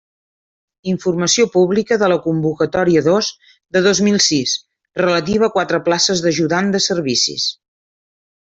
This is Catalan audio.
Informació publica de la Convocatòria dos de dos mil sis, relativa a quatre places d'ajudant de servicis.